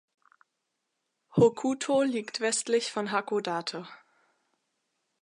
Hokuto liegt westlich von Hakodate.